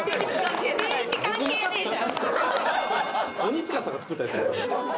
鬼束さんが作ったやつだから。